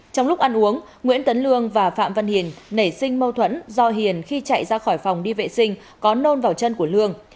trong lúc ăn uống nguyễn tấn lương và phạm văn hiền nảy sinh mâu thuẫn do hiền khi chạy ra khỏi phòng đi vệ sinh có nôn vào chân của lương